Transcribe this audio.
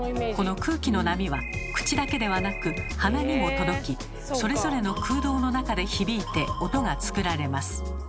この空気の波は口だけではなく鼻にも届きそれぞれの空洞の中で響いて音が作られます。